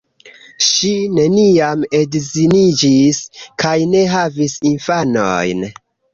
Ŝi neniam edziniĝis kaj ne havis infanojn.